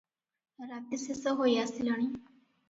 ରାତି ଶେଷ ହୋଇଆସିଲାଣି ।